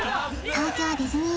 東京ディズニー